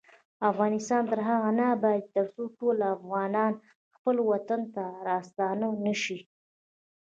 افغانستان تر هغو نه ابادیږي، ترڅو ټول افغانان خپل وطن ته راستانه نشي.